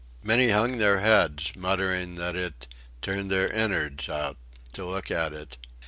Many hung their heads, muttering that it "turned their inwards out" to look at it.